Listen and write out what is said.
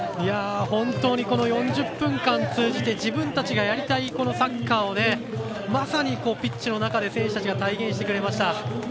本当にこの４０分間通じて自分たちがやりたいサッカーをまさにピッチの中で選手たちが体現してくれました。